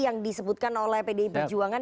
yang disebutkan oleh pdi perjuangan